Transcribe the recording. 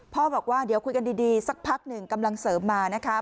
บอกว่าเดี๋ยวคุยกันดีสักพักหนึ่งกำลังเสริมมานะคะ